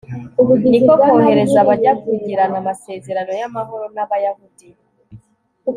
ni ko kohereza abajya kugirana amasezerano y'amahoro n'abayahudi